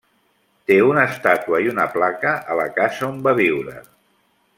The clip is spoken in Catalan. Té una estàtua i una placa a la casa on va viure.